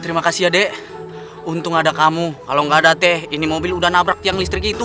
terima kasih ya dek untung ada kamu kalau nggak ada teh ini mobil udah nabrak tiang listrik itu